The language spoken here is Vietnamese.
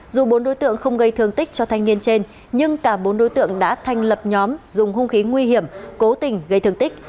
dù bốn đối tượng không gây thương tích cho thanh niên trên nhưng cả bốn đối tượng đã thành lập nhóm dùng hung khí nguy hiểm cố tình gây thương tích